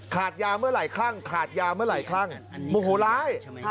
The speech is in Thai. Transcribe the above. ขาดยาเมื่อไหร่คลั่งขาดยาเมื่อไหร่คลั่งโมโหร้าย